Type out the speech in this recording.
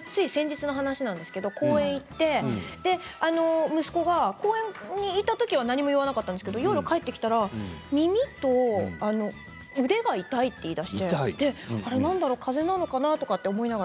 つい先日の話なんですが公園に行って息子は公園にいたときは何も言わなかったんですが夜、家に帰ってきたときに耳と腕が痛いと言いだしてかぜなのかな？と思いながら。